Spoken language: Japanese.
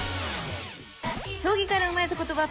将棋から生まれた言葉